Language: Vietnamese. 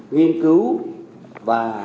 nghiên cứu và